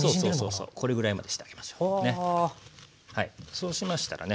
そうしましたらね